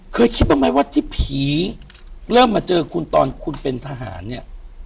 เคยคิดบ้างไหมว่าที่ผีเริ่มมาเจอคุณตอนคุณเป็นทหารเนี่ย